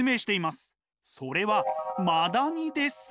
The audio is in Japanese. それはマダニです。